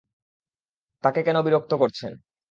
তাকে কেনো বিরক্ত করছেন?